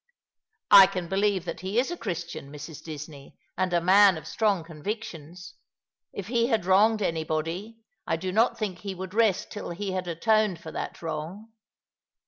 " I can believe that he is a Christian, Mrs. Disney, and a man of strong convictions. If he had wronged anybody, I do not think he would rest till he had atoned for that wrong."